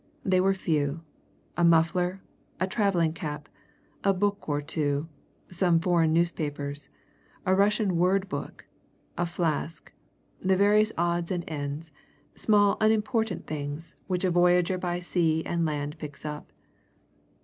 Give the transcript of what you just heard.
They were few a muffler, a travelling cap, a book or two, some foreign newspapers, a Russian word book, a flask, the various odds and ends, small unimportant things which a voyager by sea and land picks up.